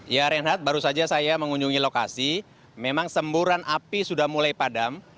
ya reinhardt baru saja saya mengunjungi lokasi memang semburan api sudah mulai padam